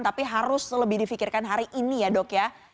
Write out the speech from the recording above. tapi harus lebih difikirkan hari ini ya dok ya